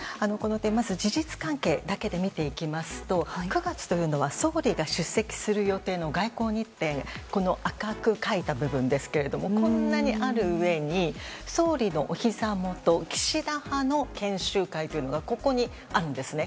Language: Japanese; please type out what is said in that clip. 事実関係だけで見ていきますと９月というのは総理が出席する予定の外交日程赤く書いた部分ですがこんなにあるうえに総理のおひざ元岸田派の研修会があるんですね。